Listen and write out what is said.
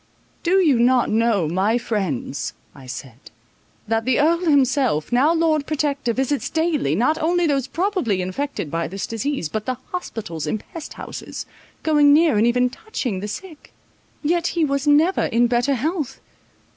"Do you not know, my friends," I said, "that the Earl himself, now Lord Protector, visits daily, not only those probably infected by this disease, but the hospitals and pest houses, going near, and even touching the sick? yet he was never in better health.